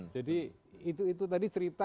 jadi itu tadi cerita